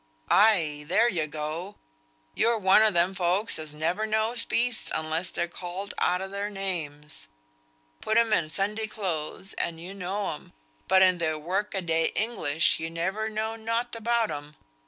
"Ay, there you go! You're one o' them folks as never knows beasts unless they're called out o' their names. Put 'em in Sunday clothes and you know 'em, but in their work a day English you never know nought about 'em.